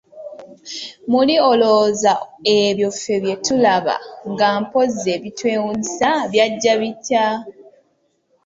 Muli olowooza ebyo ffe bye tulaba nga mpozzi ebiteewuunyisa byajja bitya?